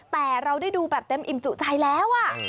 แต่เราได้ดูแบบเต็มอิ่มจุใจแล้ว